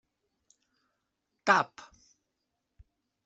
Tap!